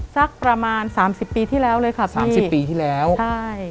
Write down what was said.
สักประมาณสามสิบปีที่แล้วเลยค่ะสามสิบปีที่แล้วใช่